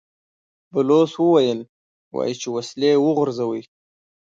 بلوڅ وويل: وايي چې وسلې وغورځوئ!